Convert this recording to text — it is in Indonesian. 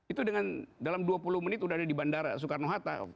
itu dengan dalam dua puluh menit sudah ada di bandara soekarno hatta